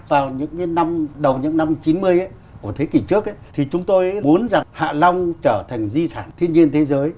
vào những đầu những năm chín mươi của thế kỷ trước thì chúng tôi muốn rằng hạ long trở thành di sản thiên nhiên thế giới